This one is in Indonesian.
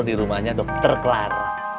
di rumahnya dokter klar